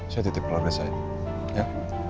saya titip keluarga saya